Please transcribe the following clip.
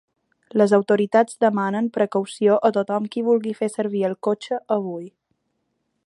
Les autoritats demanen precaució a tothom qui vulgui fer servir el cotxe avui.